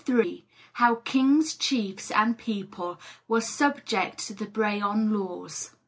HOW KINGS, CHIEFS, AND PEOPLE WERE SUBJECT TO THE BREHON LAWS.